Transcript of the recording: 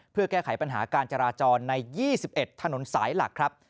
เพื่อแก้ไขปัญหาการจราจรใน๒๑ถนนสายหลักครับ